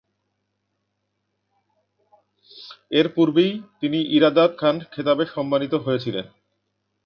এর পূর্বেই তিনি ‘ইরাদাত খান’ খেতাবে সম্মানিত হয়েছিলেন।